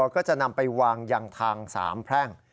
ก็จะนำไปวางยังทางสามแพร่ง